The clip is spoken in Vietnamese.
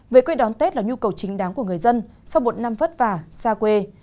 về quê đón tết là nhu cầu chính đáng của người dân sau một năm vất vả xa quê